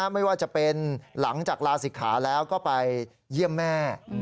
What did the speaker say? ไม่ว่าจะเป็นหลังจากลาศิกขาแล้วก็ไปเยี่ยมแม่